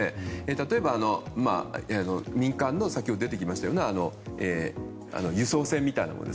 例えば民間の先ほど出てきたような輸送船みたいなもの。